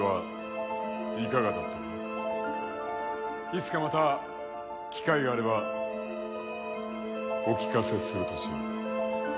いつかまた機会があればお聴かせするとしよう。